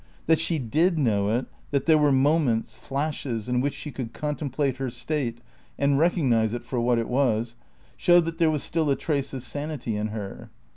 That she did know it, that there were moments flashes in which she could contemplate her state and recognise it for what it was, showed that there was still a trace of sanity in her.